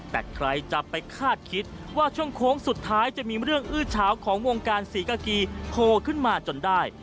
แต่ใครจะไปคาดคิดว่าช่วงโค้งสุดท้ายจะมีเรื่องอื้อเช้าของวงการศรีกากีโผล่ขึ้นมาจนได้